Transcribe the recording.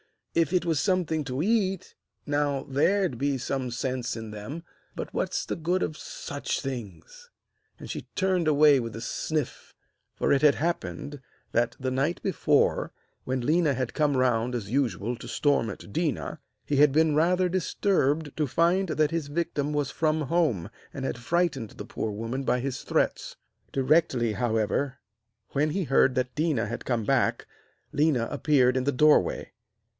If it was something to eat, now, there'd be some sense in them; but what's the good of such things?' And she turned away with a sniff, for it had happened that the night before, when Léna had come round as usual to storm at Déna, he had been rather disturbed to find that his victim was from home, and had frightened the poor woman by his threats. Directly, however, he heard that Déna had come back, Léna appeared in the doorway.